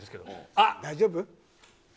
あ、大丈夫？